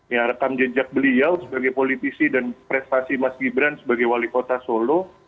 ya rekam jejak beliau sebagai politisi dan prestasi mas gibran sebagai wali kota solo